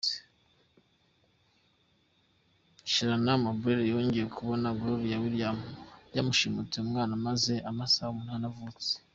Shanara Mobley yongeye kubona Gloria Williams, wamushimutiye umwana amaze amasaha umunani yonyine avutse.